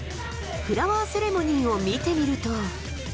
フラワーセレモニーを見てみると。